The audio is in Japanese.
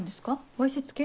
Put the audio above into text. わいせつ系？